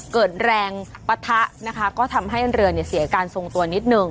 เกิดแรงปะทะนะคะก็ทำให้เรือเนี่ยเสียการทรงตัวนิดหนึ่ง